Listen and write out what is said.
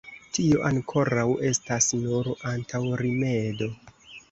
Tio, ankoraŭ, estas nur antaŭrimedo.